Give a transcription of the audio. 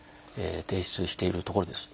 提出しているところです。